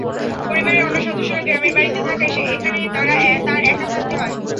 পরিবারের অন্য সদস্যরা গ্রামের বাড়িতে থাকায় এখানে তাঁর একা থাকতে হয়।